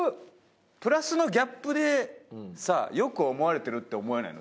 プラスのギャップでさ良く思われてるって思えないの？